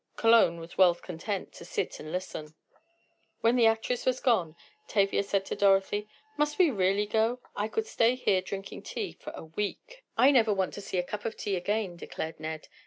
Cologne was well content to sit and listen. When the actress was gone, Tavia said to Dorothy: "Must we really go? I could stay here drinking tea for a week." "I never want to see a cup of tea again," declared Ned.